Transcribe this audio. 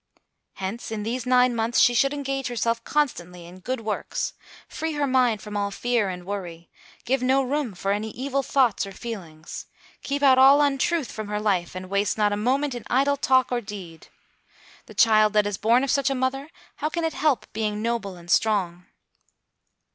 Hence in these nine months, she should engage herself constantly in good works, free her mind from all fear and worry, give no room for any evil thoughts or feelings, keep out all untruth from her life, and waste not a moment in idle talk or deed. The child that is born of such a mother, how can it help being noble and strong?